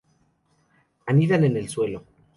Anidan en el suelo.